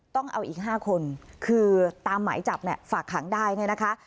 ต้องเอาอีก๕คนคือตามหมายจับเนี่ยฝากขังได้เนี่ยนะคะ